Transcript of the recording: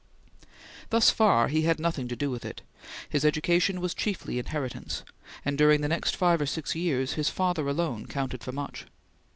Thus far he had nothing to do with it; his education was chiefly inheritance, and during the next five or six years, his father alone counted for much.